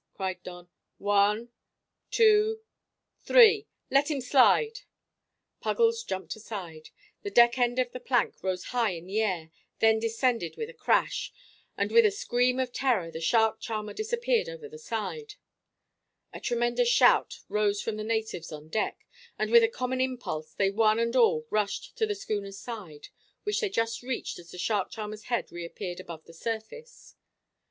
cried Don. "One, two, three let him slide!" Puggles jumped aside, the deck end of the plank rose high in air, then descended with a crash; and with a scream of terror the shark charmer disappeared over the side. A tremendous shout rose from the natives on deck, and with a common impulse they one and all rushed to the schooner's side, which they reached just as the shark charmer's head reappeared above the surface.